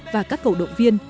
và các cầu động viên